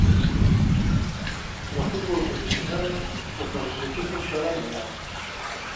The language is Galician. No fútbol profesional, os nosos equipos xogan mañá.